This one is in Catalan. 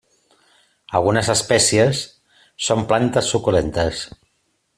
Algunes espècies són plantes suculentes.